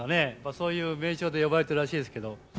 そういう名称で呼ばれてるらしいですけど。